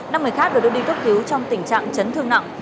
năm người khác được đưa đi cấp cứu trong tình trạng chấn thương nặng